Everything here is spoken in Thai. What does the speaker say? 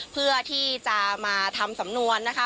เพื่อที่จะมาทำสำนวนนะคะ